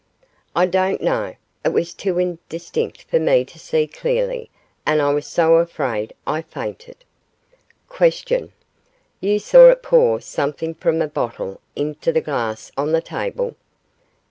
I don't know. It was too indistinct for me to see clearly; and I was so afraid, I fainted. Q. You saw it pour something from a bottle into the glass on the table?